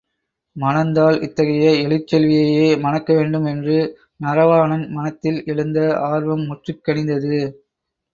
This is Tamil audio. மணந்தால் இத்தகைய எழிற் செல்வியையே மணக்கவேண்டும் என்று நரவாணன் மனத்தில் எழுந்த ஆர்வம் முற்றிக் கனிந்தது.